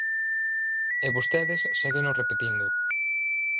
E vostedes ségueno repetindo.